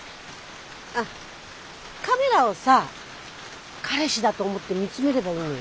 あっカメラをさ彼氏だと思って見つめればいいのよ。